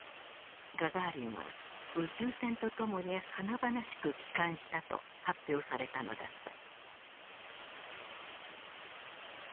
ガガーリンは宇宙船とともに華々しく帰還したと発表されたのだった。